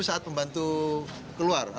tunggu saat pembantu keluar